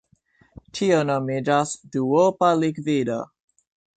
Tio nomiĝas "duopa likvido".